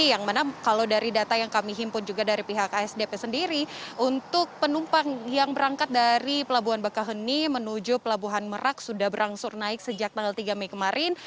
yang mana kalau dari data yang kami himpun juga dari pihak asdp sendiri untuk penumpang yang berangkat dari pelabuhan bakaheni menuju pelabuhan merak sudah berangsur naik sejak tanggal tiga mei kemarin